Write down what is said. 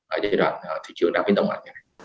ở giai đoạn thị trường đang biến động ngoài